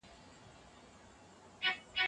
تاوانونه به تېر شي او بریا به راشي.